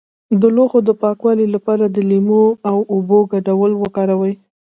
د لوښو د پاکوالي لپاره د لیمو او اوبو ګډول وکاروئ